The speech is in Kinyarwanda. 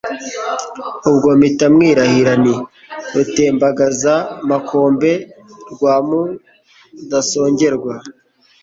Ubwo mpita mwirahira, Nti Rutembagazamakombe rwa Mudasongerwa